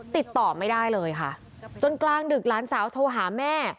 ติดต่อไม่ได้เลยค่ะจนกลางดึกหลานสาวโทรหาแม่